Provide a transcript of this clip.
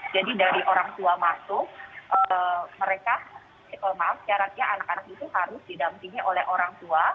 jadi dari orang tua masuk mereka maaf syaratnya anak anak itu harus didampingi oleh orang tua